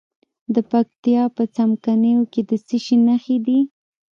د پکتیا په څمکنیو کې د څه شي نښې دي؟